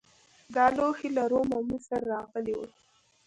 دا لوښي له روم او مصر راغلي وو